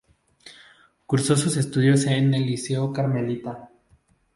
Cursó sus estudios en el Liceo Carmelita.